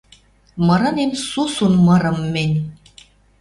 Мырынем сусун мырым мӹнь.